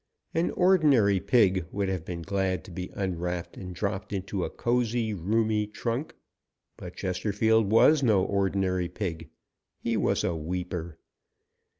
An ordinary pig would have been glad to be unwrapped and dropped into a cozy, roomy trunk, but Chesterfield was no ordinary pig. He was a weeper.